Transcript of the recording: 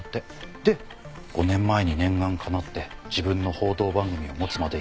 で５年前に念願かなって自分の報道番組を持つまでになった。